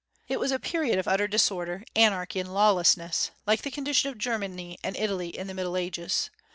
It was a period of utter disorder, anarchy, and lawlessness, like the condition of Germany and Italy in the Middle Ages.